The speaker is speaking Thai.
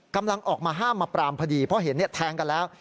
กำลังออกมาห้ามมาปรามพอดีเพราะเห็นแทงกันแล้ว